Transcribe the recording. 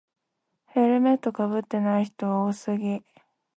ヘルメットかぶってない人が多すぎ